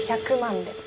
１００万で。